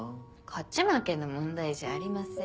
勝ち負けの問題じゃありません。